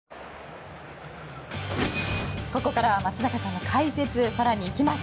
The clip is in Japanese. ここから松坂さんの解説更にいきます。